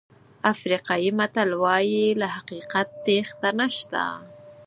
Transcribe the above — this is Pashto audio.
افریقایي متل وایي له حقیقت تېښته نشته.